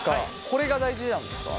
これが大事なんですか？